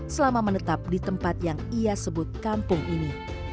selama menetap di tempat yang ia sebut kampung ini